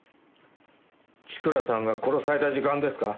千倉さんが殺された時間ですか？